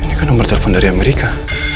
ini kan nomor telepon dari amerika